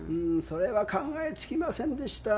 それは考えつきませんでした。